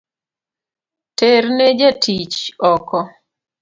Terne jatich oko